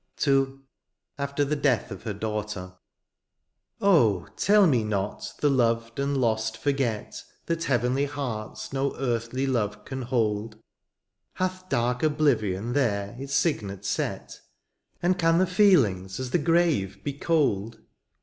"1 TO AFTER THE DEATH OF HER DAUGHTER. Oh ! tell me not the loved and lost forget That heavenly hearts no earthly love can hold ; Hath dark oblivion there its signet set^ And can the feelings as the grave be cold